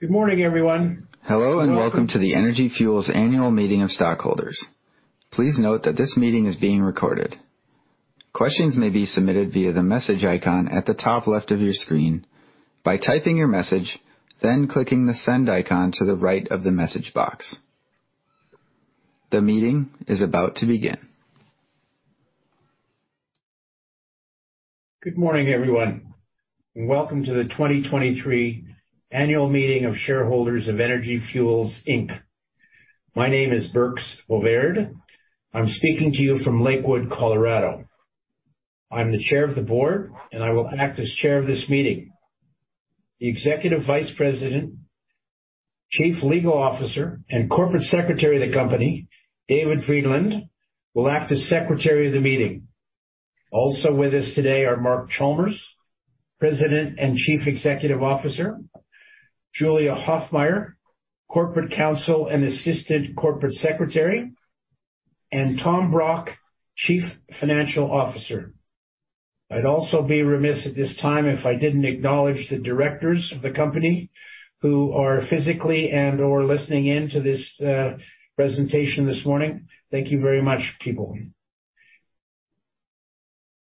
Good morning, everyone. Hello, and welcome to the Energy Fuels Annual Meeting of Stockholders. Please note that this meeting is being recorded. Questions may be submitted via the message icon at the top left of your screen by typing your message, then clicking the send icon to the right of the message box. The meeting is about to begin. Good morning, everyone, and welcome to the 2023 Annual Meeting of Shareholders of Energy Fuels Inc. My name is Birks Bovaird. I'm speaking to you from Lakewood, Colorado. I'm the chair of the board, and I will act as chair of this meeting. The Executive Vice President, Chief Legal Officer, and Corporate Secretary of the company, David Frydenlund, will act as secretary of the meeting. Also with us today are Mark Chalmers, President and Chief Executive Officer, Julia Hoffmeier, Corporate Counsel and Assistant Corporate Secretary, and Tom Brock, Chief Financial Officer. I'd also be remiss at this time if I didn't acknowledge the directors of the company who are physically and/or listening in to this presentation this morning. Thank you very much, people.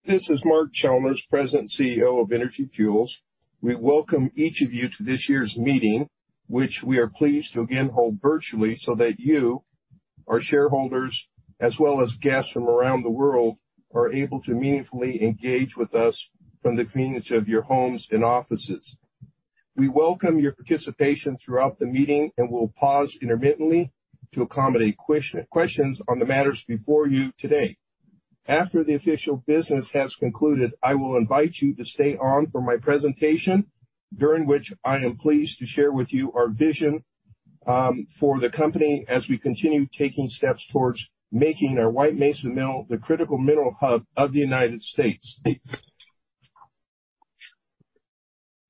This is Mark Chalmers, President and CEO of Energy Fuels. We welcome each of you to this year's meeting, which we are pleased to again hold virtually so that you, our shareholders, as well as guests from around the world, are able to meaningfully engage with us from the convenience of your homes and offices. We welcome your participation throughout the meeting and will pause intermittently to accommodate questions on the matters before you today. After the official business has concluded, I will invite you to stay on for my presentation, during which I am pleased to share with you our vision for the company as we continue taking steps towards making our White Mesa Mill the critical mineral hub of the United States.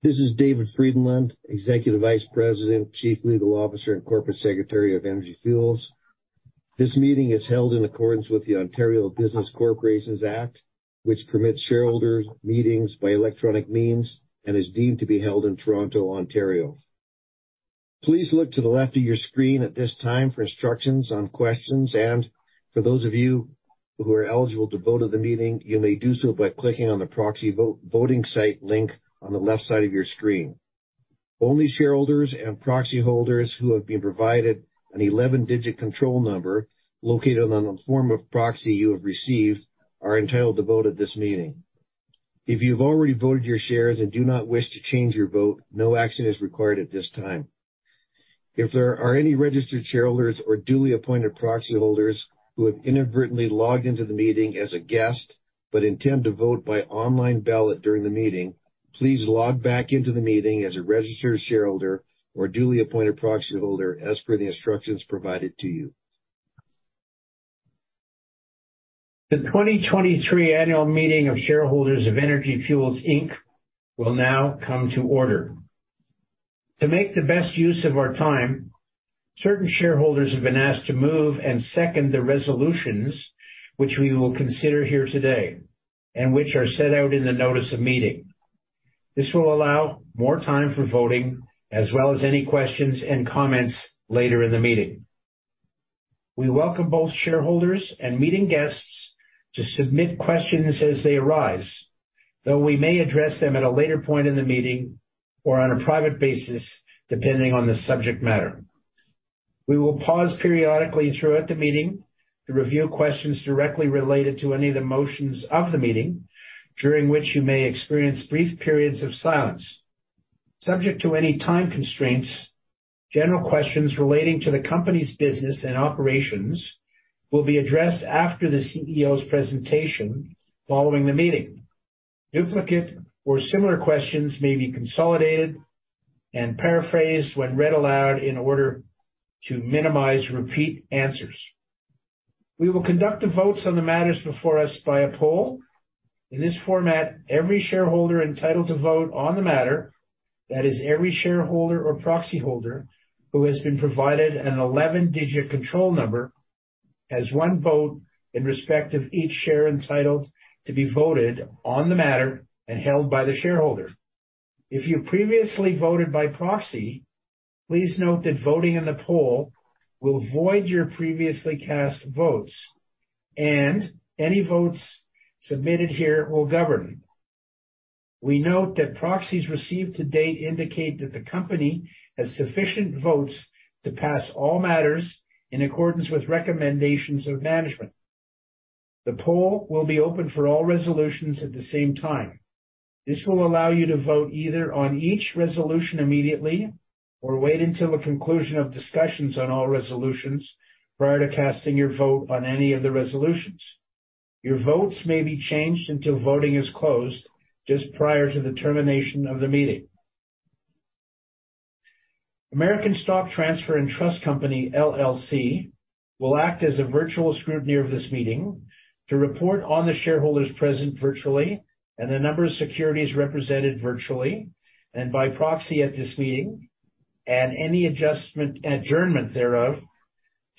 This is David Frydenlund, Executive Vice President, Chief Legal Officer, and Corporate Secretary of Energy Fuels. This meeting is held in accordance with the Ontario Business Corporations Act, which permits shareholders meetings by electronic means and is deemed to be held in Toronto, Ontario. Please look to the left of your screen at this time for instructions on questions, and for those of you who are eligible to vote at the meeting, you may do so by clicking on the proxy vote, voting site link on the left side of your screen. Only shareholders and proxy holders who have been provided an eleven-digit control number located on the form of proxy you have received are entitled to vote at this meeting. If you've already voted your shares and do not wish to change your vote, no action is required at this time. If there are any registered shareholders or duly appointed proxy holders who have inadvertently logged into the meeting as a guest but intend to vote by online ballot during the meeting, please log back into the meeting as a registered shareholder or duly appointed proxy holder, as per the instructions provided to you. The 2023 Annual Meeting of Shareholders of Energy Fuels Inc. will now come to order. To make the best use of our time, certain shareholders have been asked to move and second the resolutions, which we will consider here today and which are set out in the notice of meeting. This will allow more time for voting, as well as any questions and comments later in the meeting. We welcome both shareholders and meeting guests to submit questions as they arise, though we may address them at a later point in the meeting or on a private basis, depending on the subject matter. We will pause periodically throughout the meeting to review questions directly related to any of the motions of the meeting, during which you may experience brief periods of silence. Subject to any time constraints, general questions relating to the company's business and operations will be addressed after the CEO's presentation following the meeting. Duplicate or similar questions may be consolidated and paraphrased when read aloud in order to minimize repeat answers. We will conduct the votes on the matters before us by a poll. In this format, every shareholder entitled to vote on the matter, that is, every shareholder or proxy holder who has been provided a 11-digit control number, has one vote in respect of each share entitled to be voted on the matter and held by the shareholder. If you previously voted by proxy, please note that voting in the poll will void your previously cast votes, and any votes submitted here will govern. We note that proxies received to date indicate that the company has sufficient votes to pass all matters in accordance with recommendations of management. The poll will be open for all resolutions at the same time. This will allow you to vote either on each resolution immediately or wait until the conclusion of discussions on all resolutions prior to casting your vote on any of the resolutions. Your votes may be changed until voting is closed just prior to the termination of the meeting. American Stock Transfer & Trust Company, LLC, will act as a virtual scrutineer of this meeting to report on the shareholders present virtually and the number of securities represented virtually and by proxy at this meeting, and any adjournment thereof.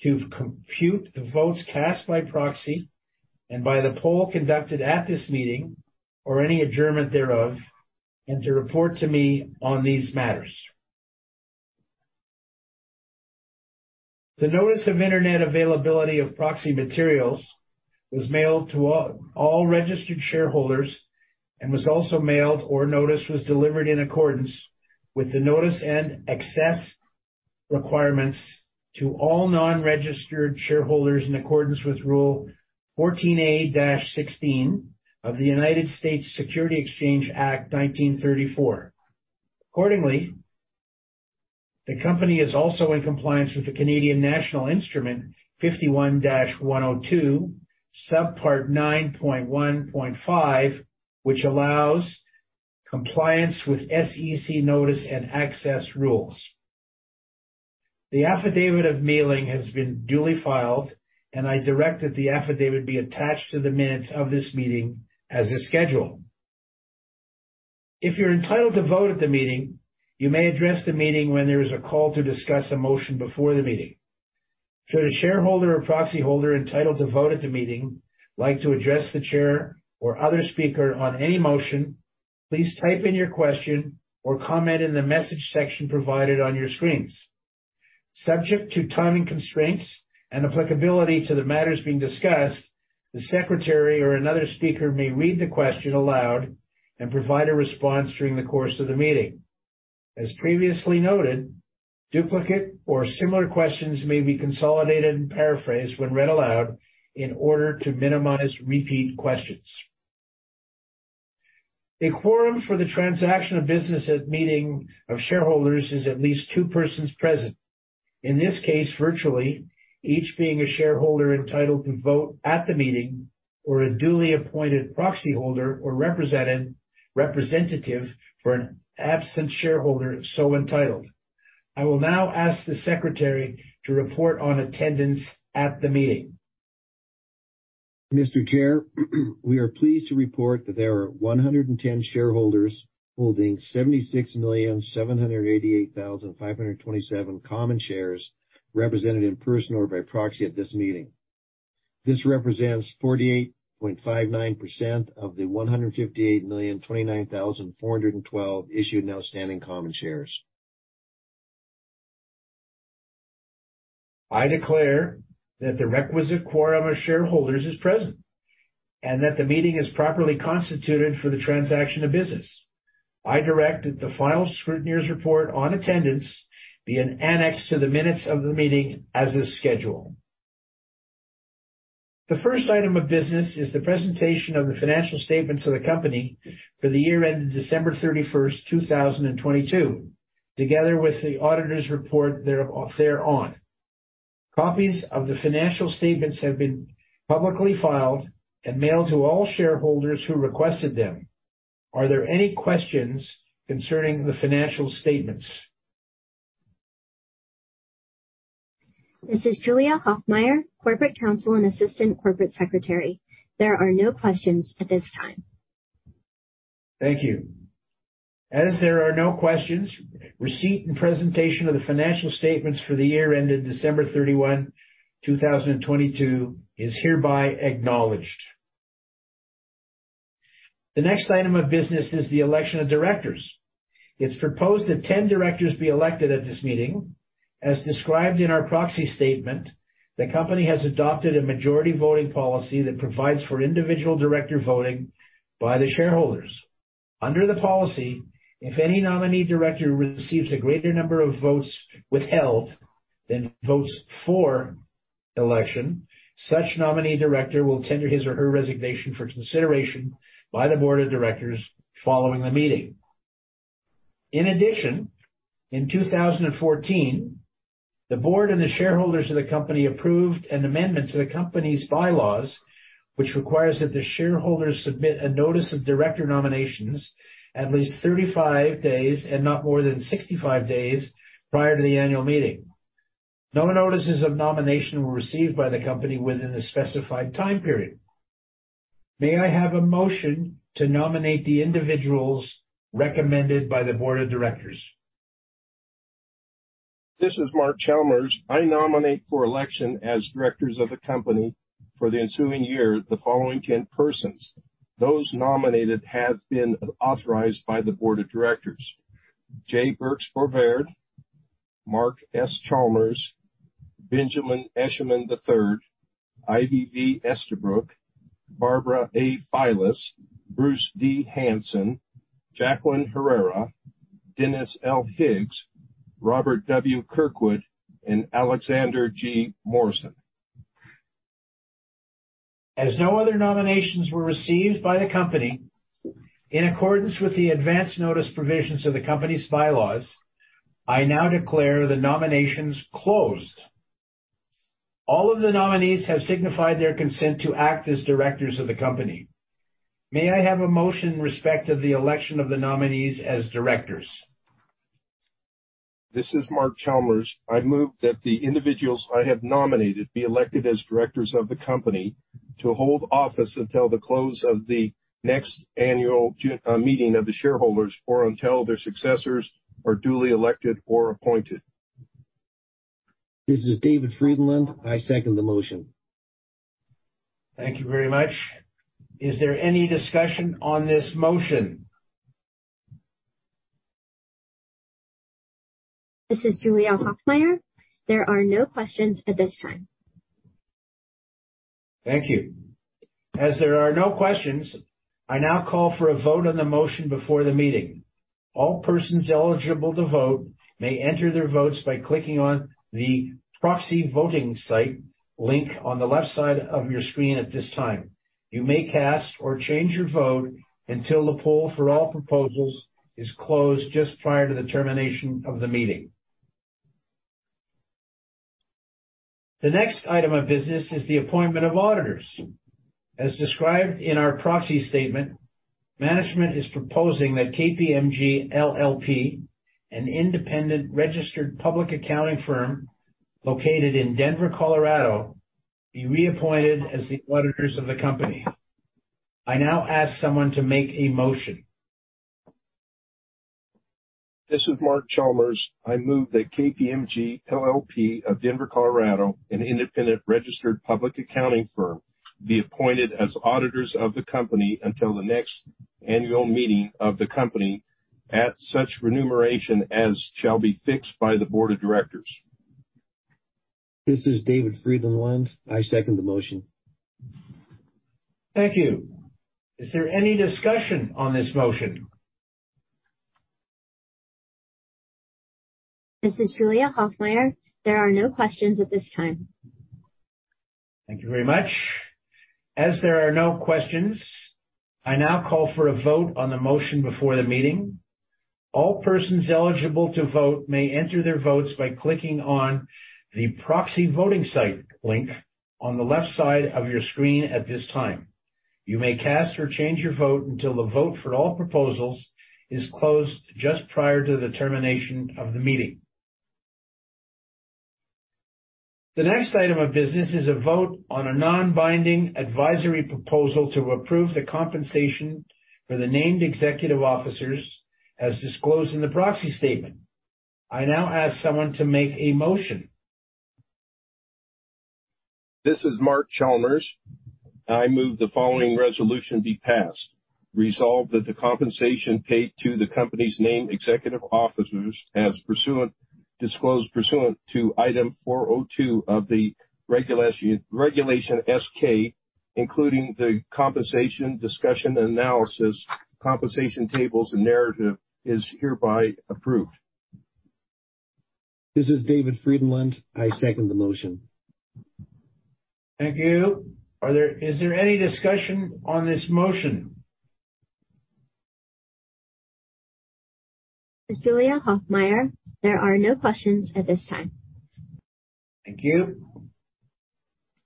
to compute the votes cast by proxy and by the poll conducted at this meeting or any adjournment thereof, and to report to me on these matters. The notice of Internet availability of proxy materials was mailed to all registered shareholders and was also mailed or notice was delivered in accordance with the notice and access requirements to all non-registered shareholders in accordance with Rule 14a-16 of the United States Securities Exchange Act, 1934. Accordingly, the company is also in compliance with the Canadian National Instrument 51-102, subpart 9.1.5, which allows compliance with SEC notice and access rules. The Affidavit of Mailing has been duly filed, and I direct that the affidavit be attached to the minutes of this meeting as is scheduled. If you're entitled to vote at the meeting, you may address the meeting when there is a call to discuss a motion before the meeting. Should a shareholder or proxy holder entitled to vote at the meeting like to address the chair or other speaker on any motion, please type in your question or comment in the message section provided on your screens. Subject to timing constraints and applicability to the matters being discussed, the secretary or another speaker may read the question aloud and provide a response during the course of the meeting. As previously noted, duplicate or similar questions may be consolidated and paraphrased when read aloud in order to minimize repeat questions. A quorum for the transaction of business at the meeting of shareholders is at least two persons present. In this case, virtually, each being a shareholder entitled to vote at the meeting, or a duly appointed proxy holder, or representative for an absent shareholder so entitled. I will now ask the secretary to report on attendance at the meeting. Mr. Chair, we are pleased to report that there are 110 shareholders holding 76,788,527 common shares represented in person or by proxy at this meeting. This represents 48.59% of the 158,029,412 issued and outstanding common shares. I declare that the requisite quorum of shareholders is present, and that the meeting is properly constituted for the transaction of business. I direct that the final scrutineer's report on attendance be an annex to the minutes of the meeting as is scheduled. The first item of business is the presentation of the financial statements of the company for the year ended December 31, 2022, together with the auditor's report thereon. Copies of the financial statements have been publicly filed and mailed to all shareholders who requested them. Are there any questions concerning the financial statements? This is Julia Hoffmeier, Corporate Counsel and Assistant Corporate Secretary. There are no questions at this time. Thank you. As there are no questions, receipt and presentation of the financial statements for the year ended December 31, 2022, is hereby acknowledged. The next item of business is the election of directors. It's proposed that 10 directors be elected at this meeting. As described in our proxy statement, the company has adopted a majority voting policy that provides for individual director voting by the shareholders. Under the policy, if any nominee director receives a greater number of votes withheld than votes for election, such nominee director will tender his or her resignation for consideration by the board of directors following the meeting. In addition, in 2014, the board and the shareholders of the company approved an amendment to the company's bylaws, which requires that the shareholders submit a notice of director nominations at least 35 days and not more than 65 days prior to the annual meeting. No notices of nomination were received by the company within the specified time period. May I have a motion to nominate the individuals recommended by the board of directors? This is Mark Chalmers. I nominate for election as directors of the company for the ensuing year, the following 10 persons. Those nominated have been authorized by the board of directors: J. Birks Bovaird, Mark S. Chalmers, Benjamin Eshleman III, Ivy V. Estabrooke, Barbara A. Filas, Bruce D. Hansen, Jacqueline Herrera, Dennis L. Higgs, Robert W. Kirkwood, and Alexander G. Morrison. As no other nominations were received by the company, in accordance with the advance notice provisions of the company's bylaws, I now declare the nominations closed. All of the nominees have signified their consent to act as directors of the company. May I have a motion in respect of the election of the nominees as directors? This is Mark Chalmers. I move that the individuals I have nominated be elected as directors of the company to hold office until the close of the next annual meeting of the shareholders, or until their successors are duly elected or appointed. This is David Frydenlund. I second the motion. Thank you very much. Is there any discussion on this motion? This is Julia Hoffmeier. There are no questions at this time. Thank you. As there are no questions, I now call for a vote on the motion before the meeting. All persons eligible to vote may enter their votes by clicking on the proxy voting site link on the left side of your screen at this time. You may cast or change your vote until the poll for all proposals is closed just prior to the termination of the meeting. The next item of business is the appointment of auditors. As described in our proxy statement, management is proposing that KPMG LLP, an independent registered public accounting firm located in Denver, Colorado, be reappointed as the auditors of the company. I now ask someone to make a motion. This is Mark Chalmers. I move that KPMG LLP of Denver, Colorado, an independent registered public accounting firm, be appointed as auditors of the company until the next annual meeting of the company, at such remuneration as shall be fixed by the board of directors. This is David Frydenlund. I second the motion. Thank you. Is there any discussion on this motion? This is Julia Hoffmeier. There are no questions at this time. Thank you very much. As there are no questions, I now call for a vote on the motion before the meeting. All persons eligible to vote may enter their votes by clicking on the proxy voting site link on the left side of your screen at this time. You may cast or change your vote until the vote for all proposals is closed just prior to the termination of the meeting. The next item of business is a vote on a non-binding advisory proposal to approve the compensation for the named executive officers as disclosed in the proxy statement. I now ask someone to make a motion. This is Mark Chalmers. I move the following resolution be passed. Resolved that the compensation paid to the company's named executive officers as disclosed pursuant to Item 402 of Regulation S-K, including the compensation discussion and analysis, compensation tables and narrative, is hereby approved. This is David Frydenlund. I second the motion. Thank you. Is there any discussion on this motion? This is Julia Hoffmeier. There are no questions at this time. Thank you.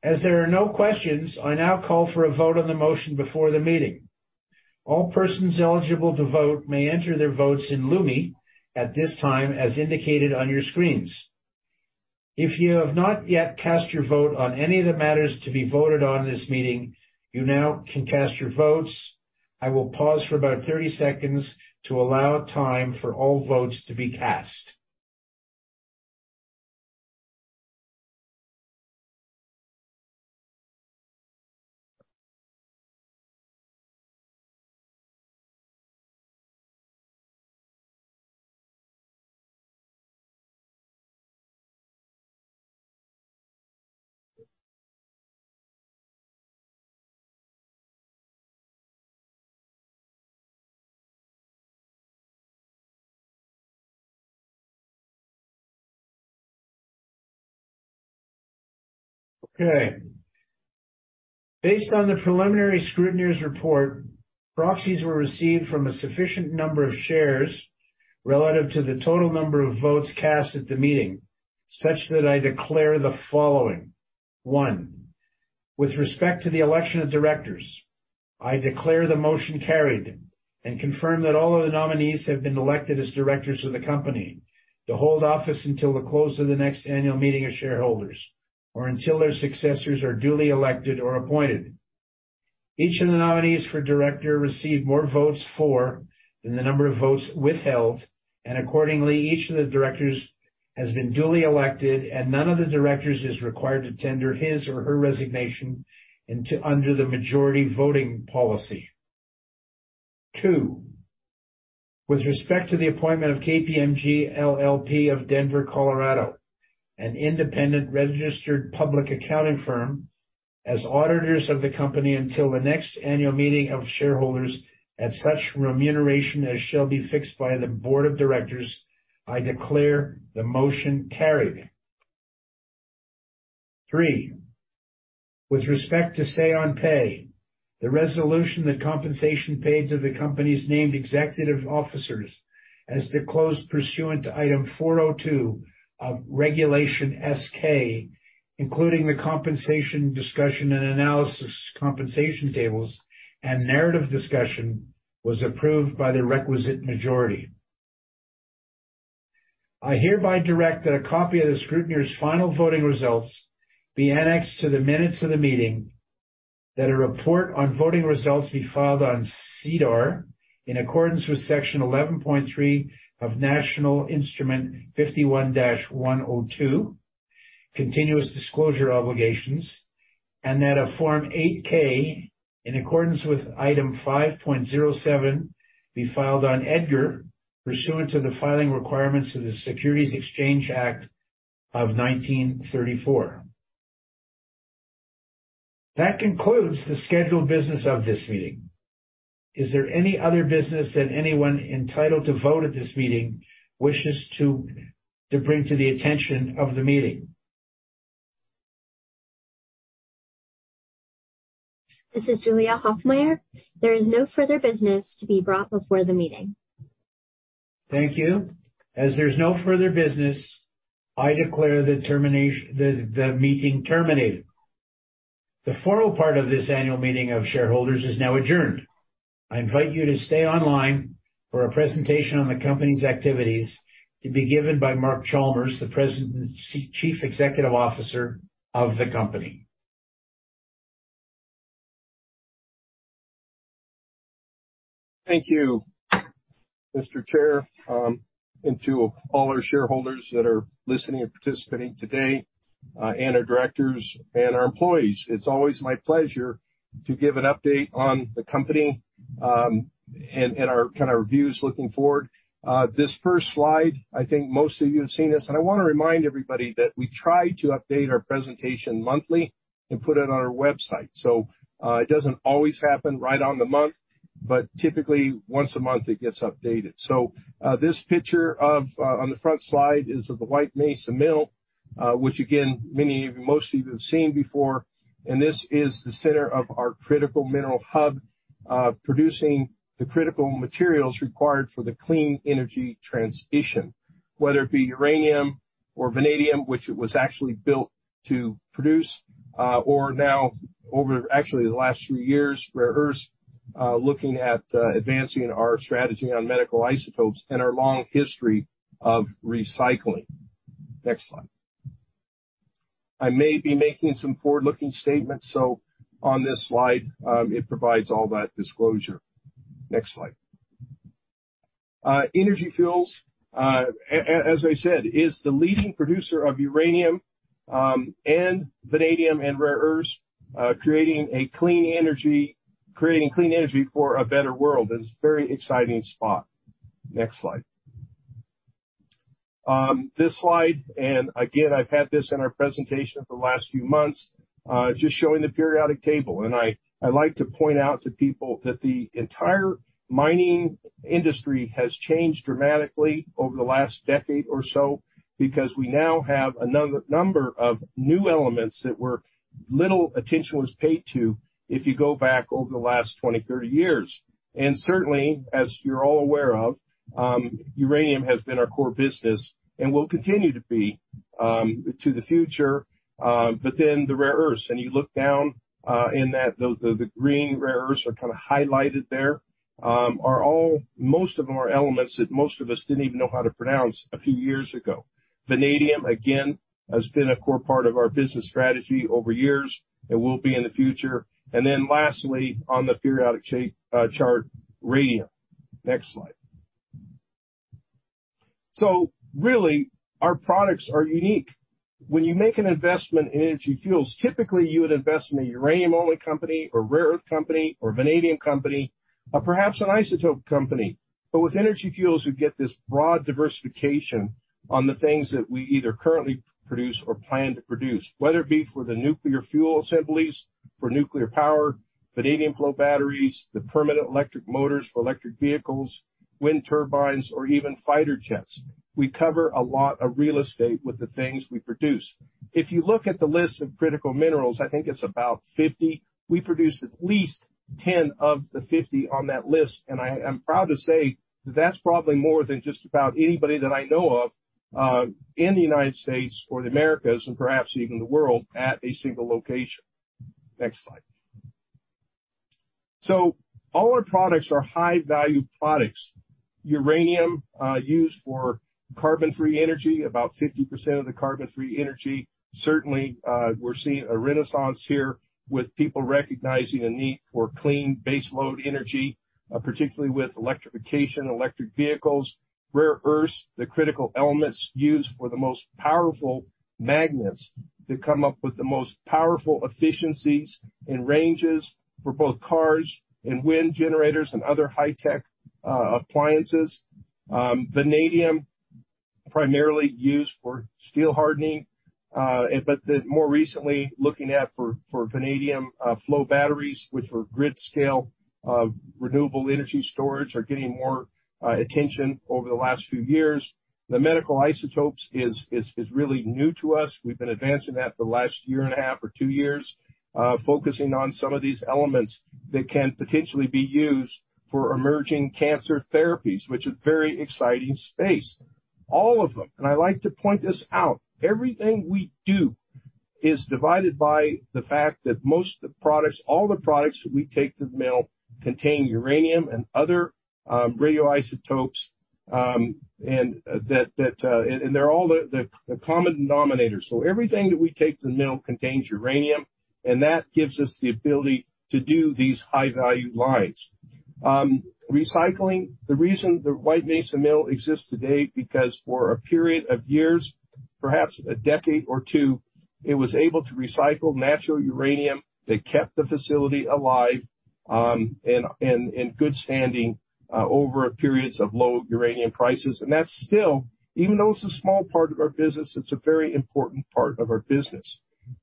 As there are no questions, I now call for a vote on the motion before the meeting. All persons eligible to vote may enter their votes in Lumi at this time, as indicated on your screens. If you have not yet cast your vote on any of the matters to be voted on in this meeting, you now can cast your votes. I will pause for about 30 seconds to allow time for all votes to be cast. Okay. Based on the preliminary scrutineer's report, proxies were received from a sufficient number of shares relative to the total number of votes cast at the meeting, such that I declare the following: One, with respect to the election of directors, I declare the motion carried and confirm that all of the nominees have been elected as directors of the company to hold office until the close of the next annual meeting of shareholders, or until their successors are duly elected or appointed. Each of the nominees for director received more votes for than the number of votes withheld, and accordingly, each of the directors has been duly elected and none of the directors is required to tender his or her resignation into, under the majority voting policy. 2, with respect to the appointment of KPMG LLP of Denver, Colorado, an independent registered public accounting firm, as auditors of the company until the next annual meeting of shareholders at such remuneration as shall be fixed by the board of directors, I declare the motion carried. 3, with respect to say on pay, the resolution that compensation paid to the company's named executive officers as disclosed pursuant to Item 402 of Regulation S-K, including the compensation discussion and analysis, compensation tables, and narrative discussion, was approved by the requisite majority.... I hereby direct that a copy of the scrutineer's final voting results be annexed to the minutes of the meeting, that a report on voting results be filed on SEDAR in accordance with Section 11.3 of National Instrument 51-102, continuous disclosure obligations, and that a Form 8-K, in accordance with Item 5.07, be filed on EDGAR pursuant to the filing requirements of the Securities Exchange Act of 1934. That concludes the scheduled business of this meeting. Is there any other business that anyone entitled to vote at this meeting wishes to bring to the attention of the meeting? This is Julia Hoffmeier. There is no further business to be brought before the meeting. Thank you. As there's no further business, I declare the meeting terminated. The formal part of this annual meeting of shareholders is now adjourned. I invite you to stay online for a presentation on the company's activities to be given by Mark Chalmers, the President and Chief Executive Officer of the company. Thank you, Mr. Chair, and to all our shareholders that are listening and participating today, and our directors and our employees. It's always my pleasure to give an update on the company, and our kind of reviews looking forward. This first slide, I think most of you have seen this, and I wanna remind everybody that we try to update our presentation monthly and put it on our website. It doesn't always happen right on the month, but typically once a month, it gets updated. This picture of, on the front slide is of the White Mesa Mill, which again, many of you, most of you have seen before, and this is the center of our critical mineral hub, producing the critical materials required for the clean energy transition. Whether it be uranium or vanadium, which it was actually built to produce, or now over actually the last few years, rare earths, looking at, advancing our strategy on medical isotopes and our long history of recycling. Next slide. I may be making some forward-looking statements, so on this slide, it provides all that disclosure. Next slide. Energy Fuels, as I said, is the leading producer of uranium, and vanadium and rare earths, creating clean energy for a better world. It's a very exciting spot. Next slide. This slide, and again, I've had this in our presentation for the last few months, just showing the periodic table, and I like to point out to people that the entire mining industry has changed dramatically over the last decade or so because we now have a number of new elements that little attention was paid to if you go back over the last 20, 30 years. And certainly, as you're all aware of, uranium has been our core business and will continue to be to the future, but then the rare earths. And you look down in that, the green rare earths are kind of highlighted there, most of them are elements that most of us didn't even know how to pronounce a few years ago. Vanadium, again, has been a core part of our business strategy over years and will be in the future. And then lastly, on the periodic chart, radium. Next slide. So really, our products are unique. When you make an investment in Energy Fuels, typically you would invest in a uranium-only company or rare earth company or vanadium company or perhaps an isotope company. But with Energy Fuels, you get this broad diversification on the things that we either currently produce or plan to produce, whether it be for the nuclear fuel assemblies, for nuclear power, vanadium flow batteries, the permanent electric motors for electric vehicles, wind turbines, or even fighter jets. We cover a lot of real estate with the things we produce. If you look at the list of critical minerals, I think it's about 50. We produce at least 10 of the 50 on that list, and I am proud to say that's probably more than just about anybody that I know of, in the United States or the Americas, and perhaps even the world, at a single location. Next slide. So all our products are high-value products. Uranium, used for carbon-free energy, about 50% of the carbon-free energy. Certainly, we're seeing a renaissance here with people recognizing a need for clean baseload energy, particularly with electrification, electric vehicles. Rare earths, the critical elements used for the most powerful magnets that come up with the most powerful efficiencies and ranges for both cars and wind generators and other high-tech, appliances. Vanadium, primarily used for steel hardening, but more recently, looking at for vanadium flow batteries, which are grid-scale renewable energy storage, are getting more attention over the last few years. The medical isotopes is really new to us. We've been advancing that for the last year and a half or 2 years, focusing on some of these elements that can potentially be used for emerging cancer therapies, which is a very exciting space. All of them, and I like to point this out, everything we do is divided by the fact that most of the products, all the products that we take to the mill contain uranium and other radioisotopes, and that and they're all the common denominators. So everything that we take to the mill contains uranium, and that gives us the ability to do these high value lines. Recycling, the reason the White Mesa Mill exists today, because for a period of years, perhaps a decade or two, it was able to recycle natural uranium that kept the facility alive, and in good standing over periods of low uranium prices. That's still, even though it's a small part of our business, it's a very important part of our business.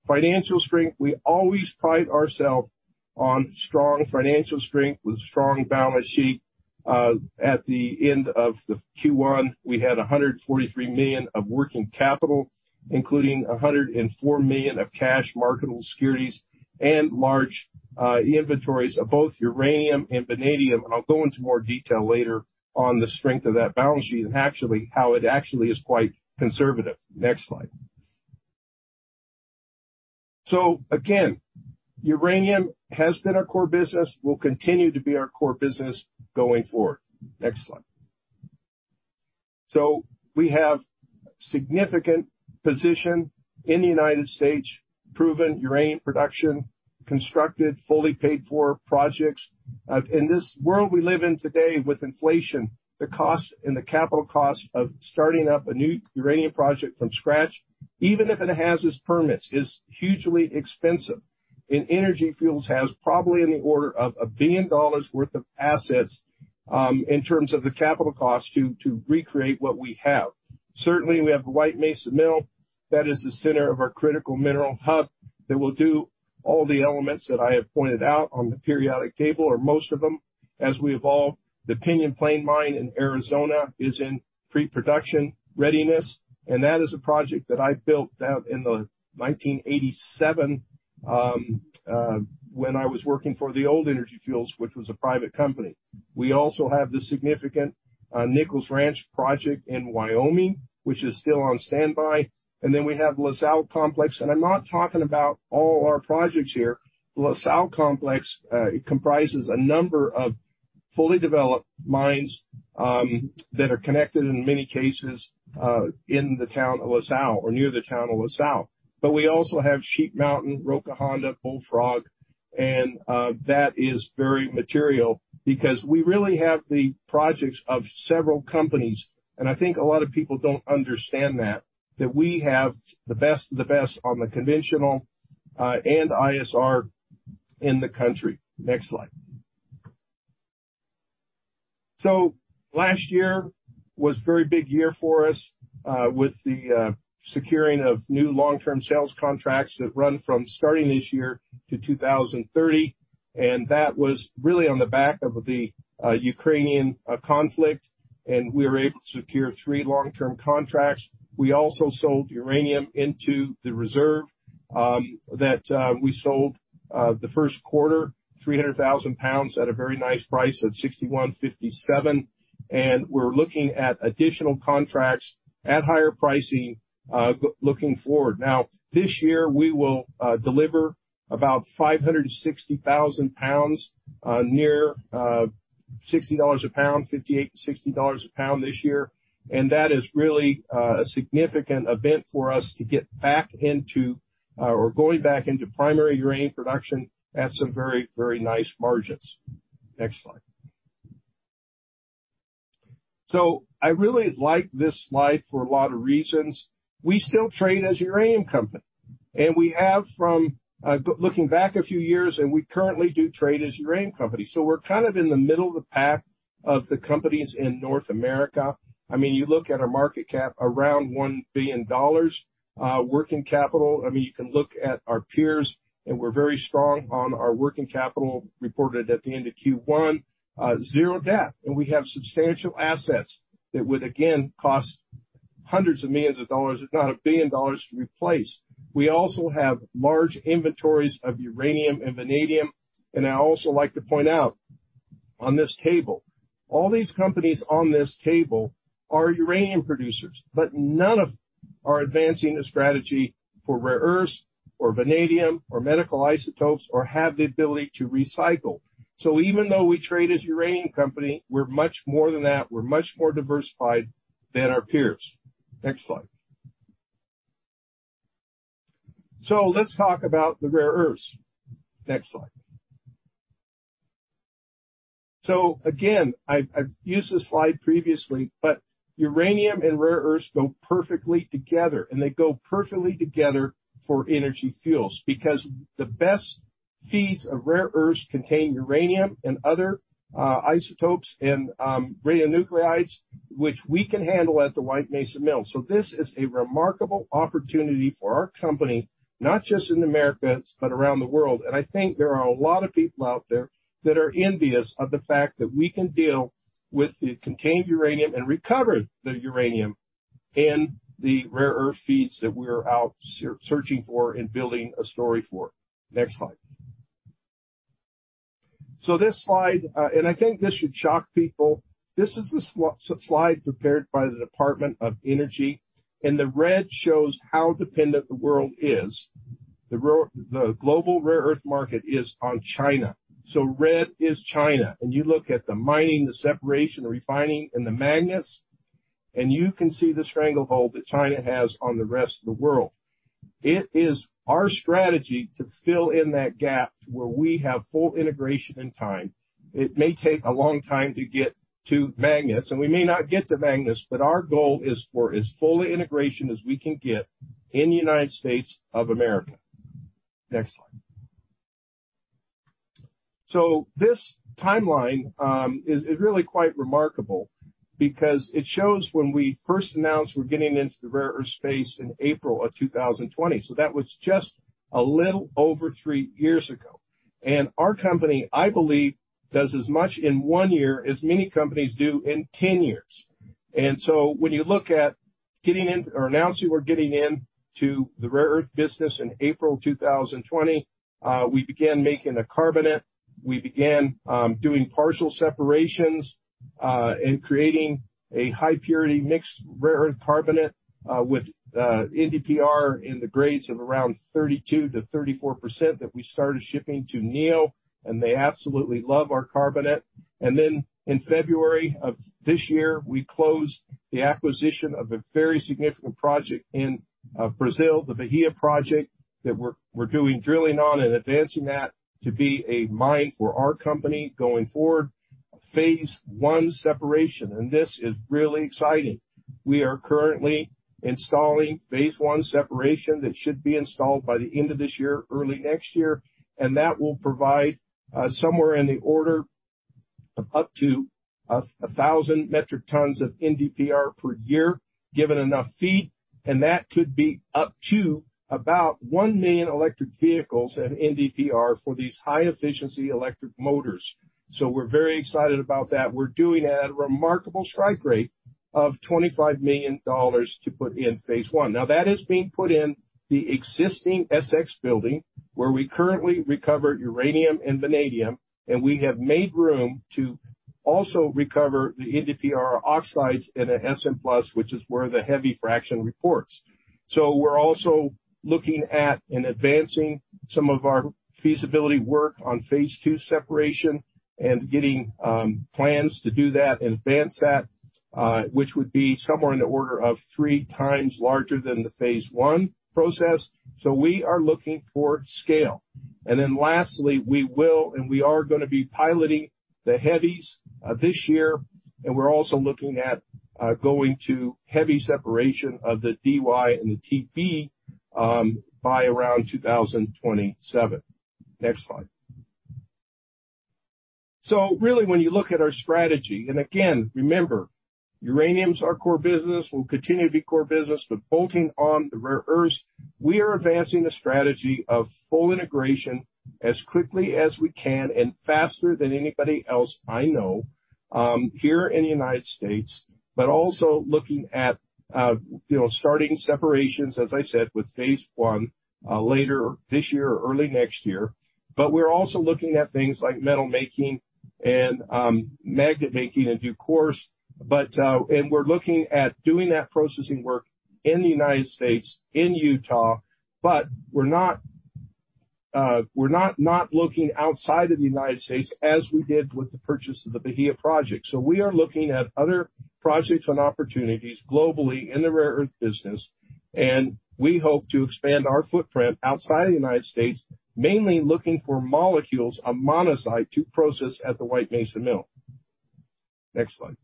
Financial strength. We always pride ourselves on strong financial strength with strong balance sheet. At the end of the Q1, we had $143 million of working capital, including $104 million of cash marketable securities and large inventories of both uranium and vanadium. I'll go into more detail later on the strength of that balance sheet and actually, how it actually is quite conservative. Next slide. Again, uranium has been our core business, will continue to be our core business going forward. Next slide. We have significant position in the United States, proven uranium production, constructed, fully paid for projects. In this world we live in today with inflation, the cost and the capital cost of starting up a new uranium project from scratch, even if it has its permits, is hugely expensive, and Energy Fuels has probably in the order of $1 billion worth of assets, in terms of the capital cost to recreate what we have. Certainly, we have the White Mesa Mill, that is the center of our critical mineral hub, that will do all the elements that I have pointed out on the periodic table or most of them, as we evolve. The Pinyon Plain Mine in Arizona is in pre-production readiness, and that is a project that I built out in 1987, when I was working for the old Energy Fuels, which was a private company. We also have the significant Nichols Ranch Project in Wyoming, which is still on standby, and then we have La Sal Complex, and I'm not talking about all our projects here. La Sal Complex comprises a number of fully developed mines that are connected in many cases in the town of La Sal or near the town of La Sal. But we also have Sheep Mountain, Roca Honda, Bullfrog, and that is very material because we really have the projects of several companies, and I think a lot of people don't understand that, that we have the best of the best on the conventional, and ISR in the country. Next slide. So last year was a very big year for us, with the securing of new long-term sales contracts that run from starting this year to 2030, and that was really on the back of the Ukrainian conflict, and we were able to secure three long-term contracts. We also sold uranium into the reserve, that we sold the first quarter, 300,000 pounds at a very nice price at $61.57, and we're looking at additional contracts at higher pricing, looking forward. Now, this year, we will deliver about 560,000 pounds near $60 a pound, $58-$60 a pound this year. And that is really a significant event for us to get back into or going back into primary uranium production at some very, very nice margins. Next slide. So I really like this slide for a lot of reasons. We still trade as a uranium company, and we have from looking back a few years, and we currently do trade as a uranium company, so we're kind of in the middle of the path of the companies in North America. I mean, you look at our market cap, around $1 billion, working capital. I mean, you can look at our peers, and we're very strong on our working capital, reported at the end of Q1, zero debt, and we have substantial assets that would again, cost hundreds of millions of dollars, if not $1 billion, to replace. We also have large inventories of uranium and vanadium, and I also like to point out on this table, all these companies on this table are uranium producers, but none of them are advancing a strategy for rare earths or vanadium or medical isotopes or have the ability to recycle. So even though we trade as a uranium company, we're much more than that. We're much more diversified than our peers. Next slide. So let's talk about the rare earths. Next slide. So again, I've used this slide previously, but uranium and rare earths go perfectly together, and they go perfectly together for Energy Fuels, because the best feeds of rare earths contain uranium and other isotopes and radionuclides, which we can handle at the White Mesa Mill. So this is a remarkable opportunity for our company, not just in the Americas, but around the world. And I think there are a lot of people out there that are envious of the fact that we can deal with the contained uranium and recover the uranium and the rare earth feeds that we are searching for and building a story for. Next slide. So this slide, and I think this should shock people. This is a slide prepared by the Department of Energy, and the red shows how dependent the world is. The global rare earth market is on China, so red is China. And you look at the mining, the separation, the refining, and the magnets, and you can see the stranglehold that China has on the rest of the world. It is our strategy to fill in that gap where we have full integration and time. It may take a long time to get to magnets, and we may not get to magnets, but our goal is for as full a integration as we can get in the United States of America. Next slide. So this timeline is really quite remarkable because it shows when we first announced we're getting into the rare earth space in April of 2020, so that was just a little over three years ago. Our company, I believe, does as much in one year as many companies do in 10 years. So when you look at getting in or announcing we're getting in to the rare earth business in April 2020, we began making a carbonate. We began doing partial separations and creating a high purity mixed rare earth carbonate with NdPr in the grades of around 32%-34% that we started shipping to Neo, and they absolutely love our carbonate. Then in February of this year, we closed the acquisition of a very significant project in Brazil, the Bahia Project, that we're doing drilling on and advancing that to be a mine for our company going forward. Phase one separation, and this is really exciting. We are currently installing phase one separation that should be installed by the end of this year, early next year, and that will provide somewhere in the order of up to 1,000 metric tons of NdPr per year, given enough feed, and that could be up to about 1 million electric vehicles of NdPr for these high efficiency electric motors. So we're very excited about that. We're doing it at a remarkable strike rate of $25 million to put in phase one. Now, that is being put in the existing SX building, where we currently recover uranium and vanadium, and we have made room to also recover the NdPr oxides in a Sm+, which is where the heavy fraction reports. So we're also looking at and advancing some of our feasibility work on phase two separation and getting plans to do that and advance that, which would be somewhere in the order of three times larger than the phase one process. So we are looking for scale. And then lastly, we will, and we are gonna be piloting the heavies this year, and we're also looking at going to heavy separation of the Dy and the Tb by around 2027. Next slide. So really, when you look at our strategy, and again, remember, uranium's our core business, will continue to be core business, but bolting on the rare earths, we are advancing the strategy of full integration as quickly as we can and faster than anybody else I know, here in the United States, but also looking at, you know, starting separations, as I said, with phase one, later this year or early next year. But we're also looking at things like metal making and, magnet making in due course. But, and we're looking at doing that processing work in the United States, in Utah, but we're looking outside of the United States as we did with the purchase of the Bahia Project. So we are looking at other projects and opportunities globally in the rare earth business, and we hope to expand our footprint outside of the United States, mainly looking for molecules of monazite to process at the White Mesa Mill. Next slide.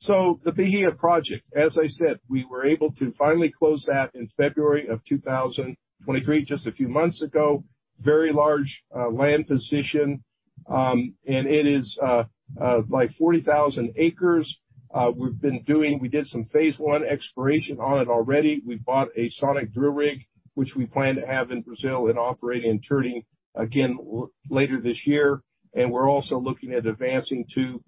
So the Bahia Project, as I said, we were able to finally close that in February 2023, just a few months ago. Very large land position, and it is like 40,000 acres. We did some phase one exploration on it already. We bought a sonic drill rig, which we plan to have in Brazil and operating and turning again later this year. And we're also looking at advancing to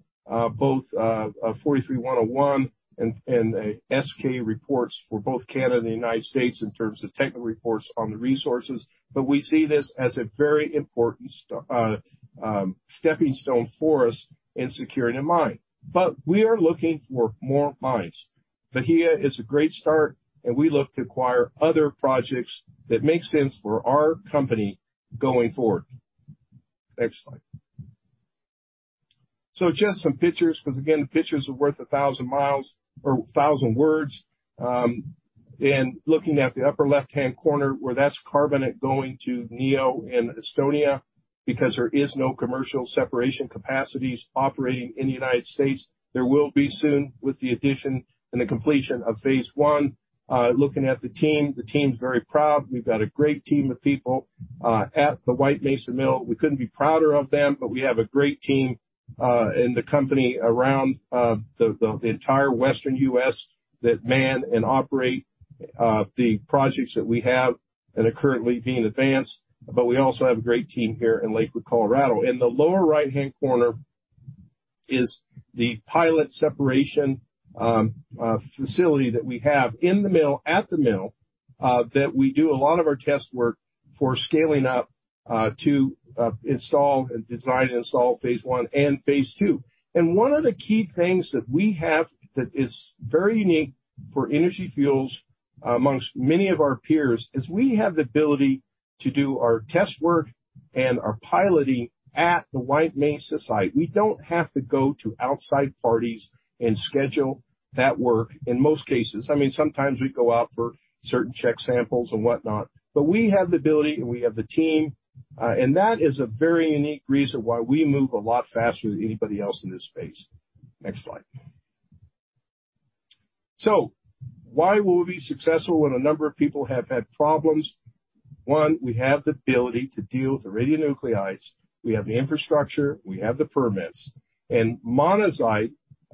both a 43-101 and an S-K 1300 for both Canada and the United States in terms of technical reports on the resources. But we see this as a very important stepping stone for us in securing a mine. But we are looking for more mines. Bahia is a great start, and we look to acquire other projects that make sense for our company going forward. Next slide. So just some pictures, because, again, pictures are worth a thousand miles or a thousand words. And looking at the upper left-hand corner, where that's carbonate going to Neo in Estonia, because there is no commercial separation capacities operating in the United States. There will be soon, with the addition and the completion of phase one. Looking at the team, the team's very proud. We've got a great team of people at the White Mesa Mill. We couldn't be prouder of them, but we have a great team in the company around the entire Western U.S., that manage and operate the projects that we have and are currently being advanced. But we also have a great team here in Lakewood, Colorado. In the lower right-hand corner is the pilot separation facility that we have in the mill, at the mill, that we do a lot of our test work for scaling up to design and install phase one and phase two. And one of the key things that we have that is very unique for Energy Fuels, amongst many of our peers, is we have the ability to do our test work and our piloting at the White Mesa site. We don't have to go to outside parties and schedule that work in most cases. I mean, sometimes we go out for certain check samples and whatnot, but we have the ability, and we have the team, and that is a very unique reason why we move a lot faster than anybody else in this space. Next slide. So why will we be successful when a number of people have had problems? One, we have the ability to deal with the radionuclides. We have the infrastructure, we have the permits,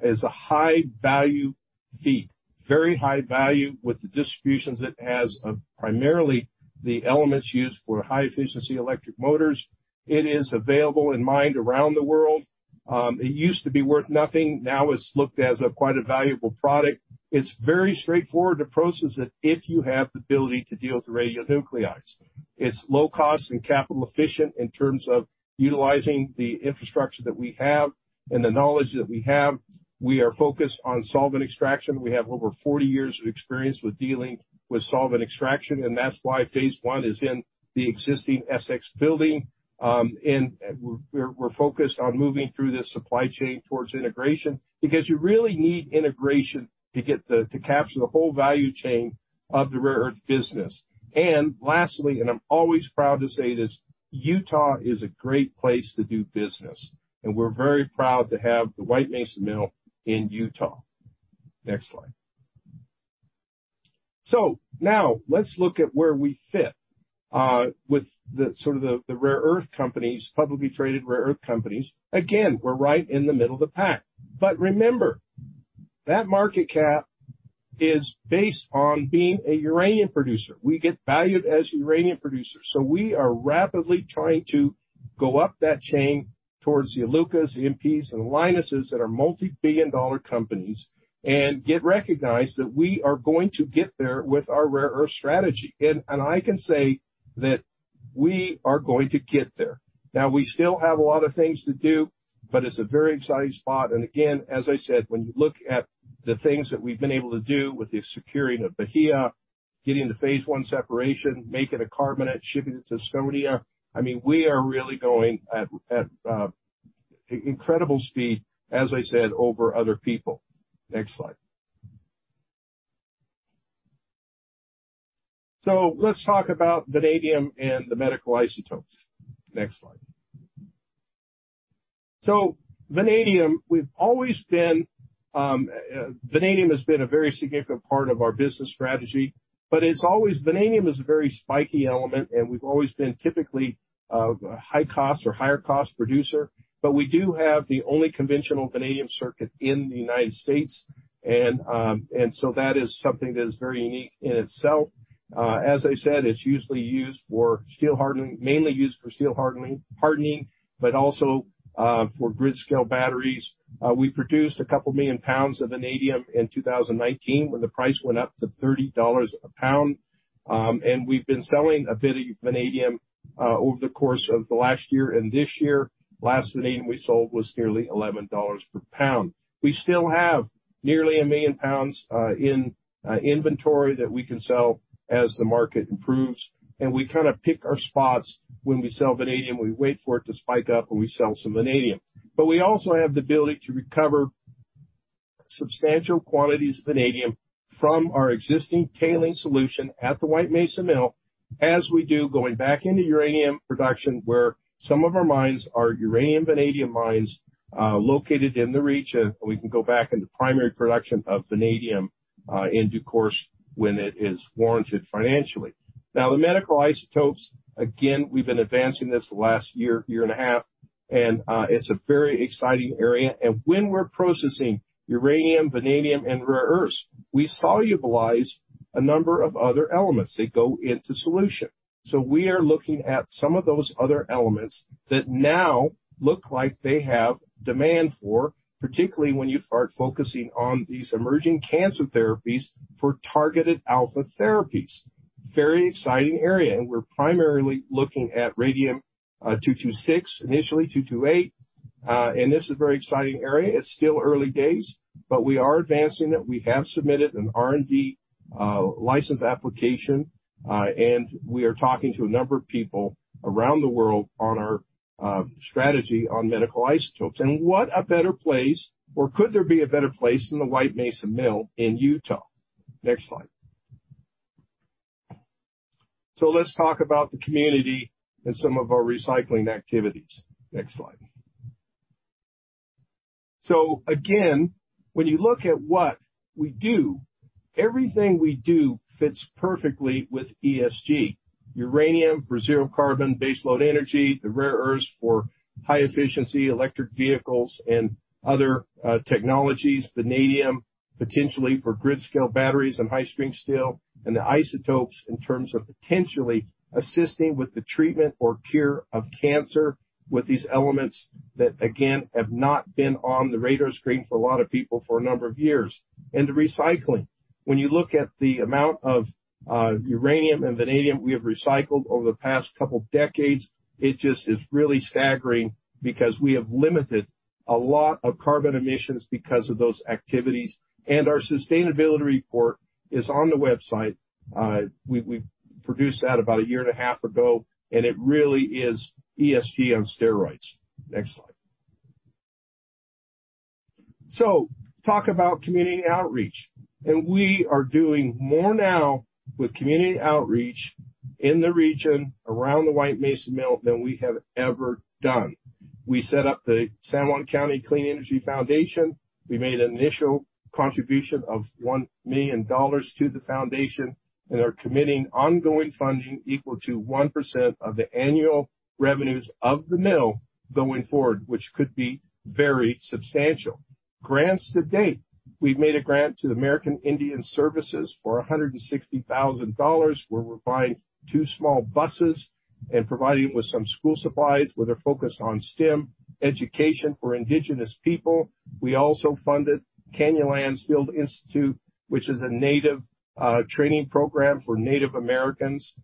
and monazite is a high-value feed, very high value with the distributions it has of primarily the elements used for high-efficiency electric motors. It is available, mined around the world. It used to be worth nothing, now it's looked at as quite a valuable product. It's very straightforward to process it if you have the ability to deal with the radionuclides. It's low cost and capital efficient in terms of utilizing the infrastructure that we have and the knowledge that we have. We are focused on solvent extraction. We have over 40 years of experience with dealing with solvent extraction, and that's why phase 1 is in the existing SX building. We're focused on moving through this supply chain towards integration because you really need integration to get the to capture the whole value chain of the rare earth business. Lastly, and I'm always proud to say this, Utah is a great place to do business, and we're very proud to have the White Mesa Mill in Utah. Next slide. So now let's look at where we fit with the rare earth companies, publicly traded rare earth companies. Again, we're right in the middle of the pack. But remember, that market cap is based on being a uranium producer. We get valued as uranium producers, so we are rapidly trying to go up that chain towards the Iluka, the MP, and the Lynas that are multi-billion dollar companies, and get recognized that we are going to get there with our rare earth strategy. And I can say that we are going to get there. Now, we still have a lot of things to do, but it's a very exciting spot. Again, as I said, when you look at the things that we've been able to do with the securing of Bahia, getting the phase one separation, making a carbonate, shipping it to Estonia, I mean, we are really going at incredible speed, as I said, over other people. Next slide. So let's talk about vanadium and the medical isotopes. Next slide. So vanadium, we've always been, vanadium has been a very significant part of our business strategy, but it's always, vanadium is a very spiky element, and we've always been typically a high-cost or higher-cost producer. But we do have the only conventional vanadium circuit in the United States. And, and so that is something that is very unique in itself. As I said, it's usually used for steel hardening, mainly used for steel hardening, but also for grid-scale batteries. We produced 2 million pounds of vanadium in 2019, when the price went up to $30 a pound. And we've been selling a bit of vanadium over the course of the last year and this year. Last vanadium we sold was nearly $11 per pound. We still have nearly 1 million pounds in inventory that we can sell as the market improves, and we kind of pick our spots when we sell vanadium. We wait for it to spike up, and we sell some vanadium. But we also have the ability to recover substantial quantities of vanadium from our existing tailings solution at the White Mesa Mill, as we do, going back into uranium production, where some of our mines are uranium, vanadium mines, located in the region, and we can go back into primary production of vanadium, in due course when it is warranted financially. Now, the medical isotopes, again, we've been advancing this the last year, year and a half, and, it's a very exciting area. And when we're processing uranium, vanadium, and rare earths, we solubilize a number of other elements that go into solution. So we are looking at some of those other elements that now look like they have demand for, particularly when you start focusing on these emerging cancer therapies for targeted alpha therapies. Very exciting area, and we're primarily looking at radium, 226, initially 228. And this is a very exciting area. It's still early days, but we are advancing it. We have submitted an R&D license application, and we are talking to a number of people around the world on our strategy on medical isotopes. And what a better place, or could there be a better place than the White Mesa Mill in Utah? Next slide. So let's talk about the community and some of our recycling activities. Next slide. So again, when you look at what we do, everything we do fits perfectly with ESG: uranium for zero carbon, baseload energy, the rare earths for high-efficiency electric vehicles and other technologies, vanadium. potentially for grid scale batteries and high-strength steel, and the isotopes in terms of potentially assisting with the treatment or cure of cancer, with these elements that, again, have not been on the radar screen for a lot of people for a number of years. The recycling. When you look at the amount of uranium and vanadium we have recycled over the past couple decades, it just is really staggering because we have limited a lot of carbon emissions because of those activities. Our sustainability report is on the website. We produced that about a year and a half ago, and it really is ESG on steroids. Next slide. Talk about community outreach, and we are doing more now with community outreach in the region around the White Mesa Mill than we have ever done. We set up the San Juan County Clean Energy Foundation. We made an initial contribution of $1 million to the foundation and are committing ongoing funding equal to 1% of the annual revenues of the mill going forward, which could be very substantial. Grants to date: we've made a grant to the American Indian Services for $160,000, where we're buying two small buses and providing them with some school supplies, with a focus on STEM education for indigenous people. We also funded Canyonlands Field Institute, which is a native training program for Native Americans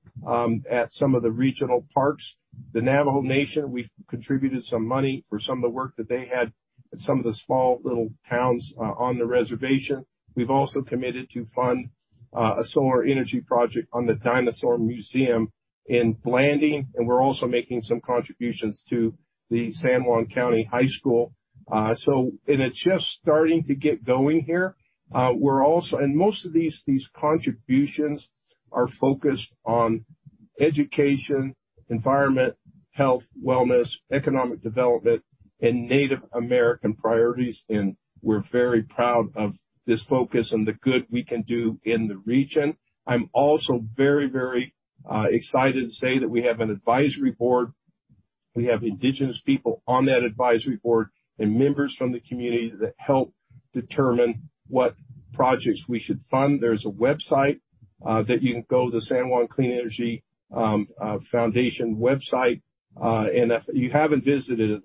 at some of the regional parks. The Navajo Nation, we've contributed some money for some of the work that they had at some of the small, little towns on the reservation. We've also committed to fund a solar energy project on the Dinosaur Museum in Blanding, and we're also making some contributions to the San Juan County High School. It's just starting to get going here. Most of these contributions are focused on education, environment, health, wellness, economic development, and Native American priorities, and we're very proud of this focus and the good we can do in the region. I'm also very, very excited to say that we have an advisory board. We have indigenous people on that advisory board and members from the community that help determine what projects we should fund. There's a website that you can go, the San Juan Clean Energy Foundation website. And if you haven't visited it,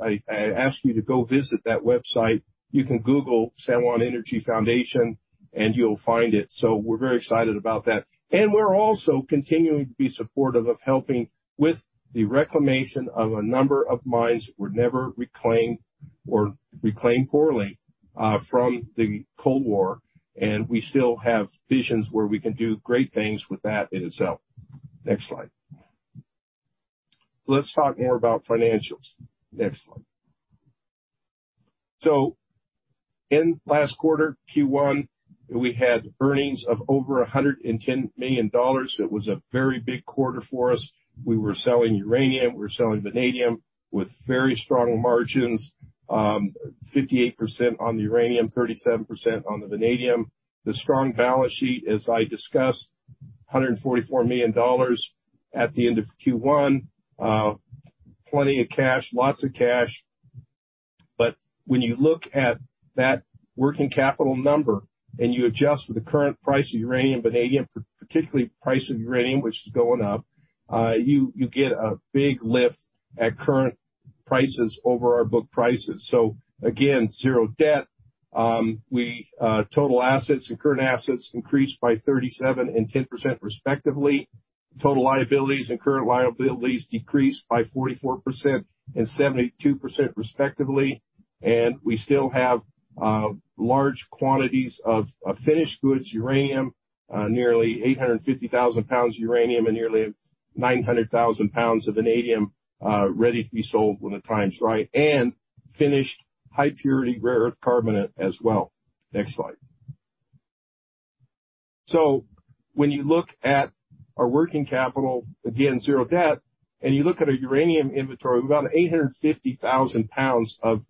I ask you to go visit that website. You can Google San Juan Energy Foundation, and you'll find it. We're very excited about that. We're also continuing to be supportive of helping with the reclamation of a number of mines that were never reclaimed or reclaimed poorly, from the Cold War, and we still have visions where we can do great things with that in itself. Next slide. Let's talk more about financials. Next slide. In last quarter, Q1, we had earnings of over $110 million. It was a very big quarter for us. We were selling uranium, we were selling vanadium, with very strong margins, 58% on the uranium, 37% on the vanadium. The strong balance sheet, as I discussed, $144 million at the end of Q1. Plenty of cash, lots of cash. But when you look at that working capital number, and you adjust for the current price of uranium, vanadium, particularly price of uranium, which is going up, you get a big lift at current prices over our book prices. So again, zero debt. We total assets and current assets increased by 37% and 10%, respectively. Total liabilities and current liabilities decreased by 44% and 72%, respectively. And we still have large quantities of finished goods, uranium, nearly 850,000 pounds of uranium and nearly 900,000 pounds of vanadium, ready to be sold when the time's right, and finished high-purity rare earth carbonate as well. Next slide. So when you look at our working capital, again, zero debt, and you look at our uranium inventory, we've got 850,000 pounds of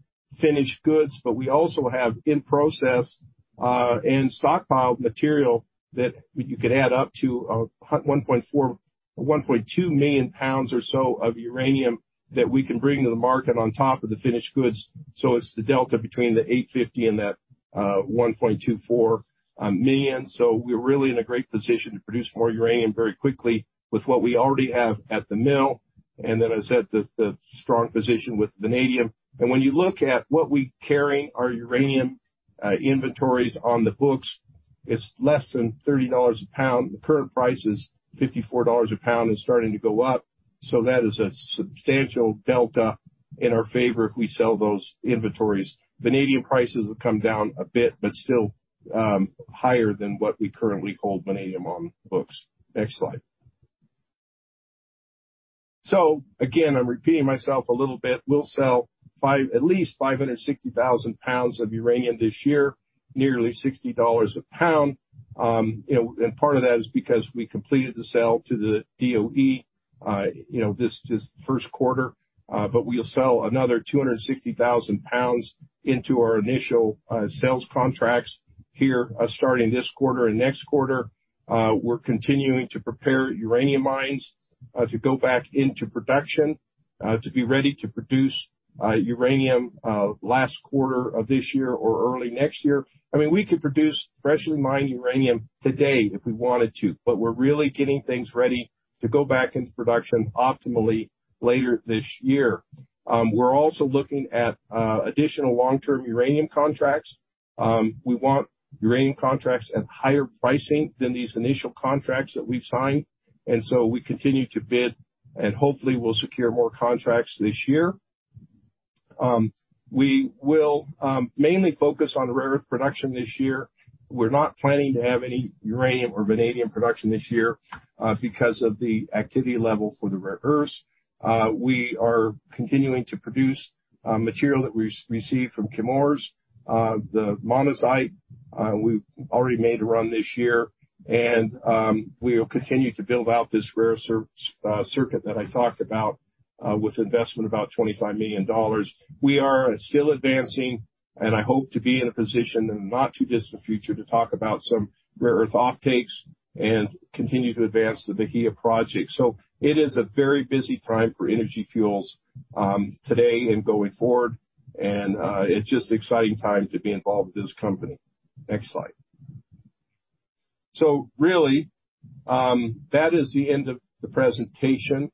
finished goods, but we also have in process and stockpiled material that you could add up to one point two million pounds or so of uranium that we can bring to the market on top of the finished goods. So it's the delta between the 850 and that one point two four million. So we're really in a great position to produce more uranium very quickly with what we already have at the mill. And then I said, the strong position with vanadium. And when you look at what we carry, our uranium inventories on the books, it's less than $30 a pound. The current price is $54 a pound and starting to go up. So that is a substantial delta in our favor if we sell those inventories. Vanadium prices have come down a bit, but still, higher than what we currently hold vanadium on the books. Next slide. So again, I'm repeating myself a little bit. We'll sell at least 500,000 pounds of uranium this year, nearly $60 a pound. You know, and part of that is because we completed the sale to the DOE, you know, this, this first quarter. But we'll sell another 260,000 pounds into our initial, sales contracts here, starting this quarter and next quarter. We're continuing to prepare uranium mines, to go back into production.... To be ready to produce uranium last quarter of this year or early next year. I mean, we could produce freshly mined uranium today if we wanted to, but we're really getting things ready to go back into production optimally later this year. We're also looking at additional long-term uranium contracts. We want uranium contracts at higher pricing than these initial contracts that we've signed, and so we continue to bid, and hopefully we'll secure more contracts this year. We will mainly focus on rare earth production this year. We're not planning to have any uranium or vanadium production this year because of the activity level for the rare earths. We are continuing to produce material that we've received from Chemours. The monazite, we've already made a run this year, and we'll continue to build out this rare earth circuit that I talked about with investment about $25 million. We are still advancing, and I hope to be in a position in the not too distant future to talk about some rare earth offtakes and continue to advance the Bahia Project. So it is a very busy time for Energy Fuels today and going forward, and it's just an exciting time to be involved with this company. Next slide. So really, that is the end of the presentation.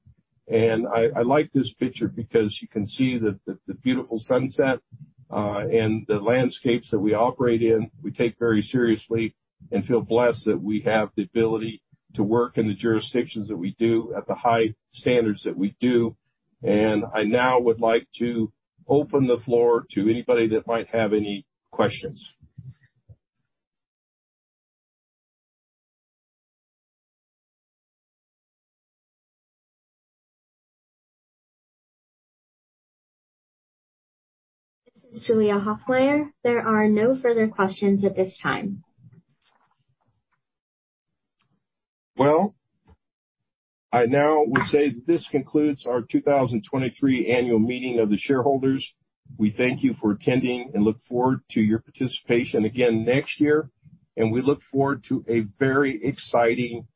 And I like this picture because you can see the beautiful sunset, and the landscapes that we operate in, we take very seriously and feel blessed that we have the ability to work in the jurisdictions that we do at the high standards that we do. And I now would like to open the floor to anybody that might have any questions. This is Julia Hoffmeier. There are no further questions at this time. Well, I now will say that this concludes our 2023 annual meeting of the shareholders. We thank you for attending and look forward to your participation again next year, and we look forward to a very exciting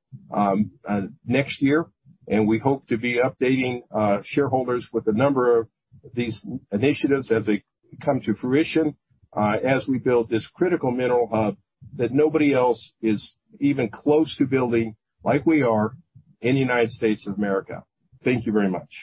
next year. And we hope to be updating shareholders with a number of these initiatives as they come to fruition, as we build this critical mineral hub, that nobody else is even close to building like we are in the United States of America. Thank you very much.